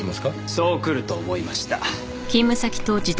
そうくると思いました。